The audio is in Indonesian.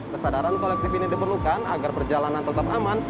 kesadaran kolektif ini diperlukan agar perjalanan tetap aman